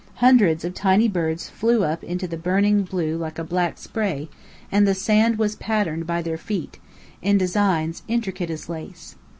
Hundreds of tiny birds flew up into the burning blue like a black spray, and the sand was patterned by their feet, in designs intricate as lace.